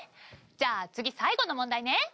じゃあ次最後の問題ね。